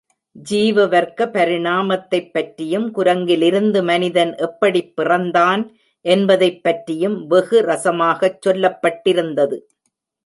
ஜீவ வர்க்க பரிணாமத்தைப் பற்றியும் குரங்கிலிருந்து மனிதன் எப்படிப் பிறந்தான் என்பதைப் பற்றியும் வெகு ரசமாகச் சொல்லப்பட்டிருந்தது.